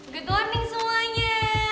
good morning semuanya